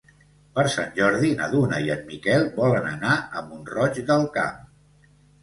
Per Sant Jordi na Duna i en Miquel volen anar a Mont-roig del Camp.